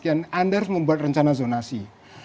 anda harus membuat rencana zonasi